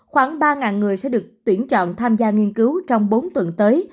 khoảng ba người sẽ được tuyển chọn tham gia nghiên cứu trong bốn tuần tới